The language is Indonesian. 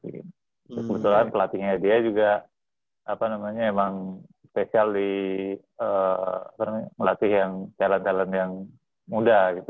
kebetulan pelatihannya dia juga apa namanya emang spesial di apa namanya melatih yang talent talent yang muda gitu